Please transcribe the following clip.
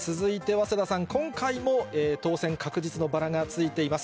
早稲田さん、今回も当選確実のバラがついています。